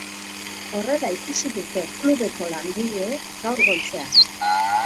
Horrela ikusi dute klubeko langileek gaur goizen.